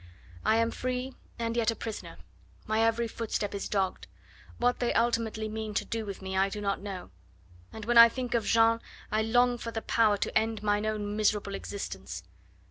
I am free and yet a prisoner; my every footstep is dogged. What they ultimately mean to do with me I do not know. And when I think of Jeanne I long for the power to end mine own miserable existence.